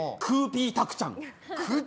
「クーピーたくちゃん」？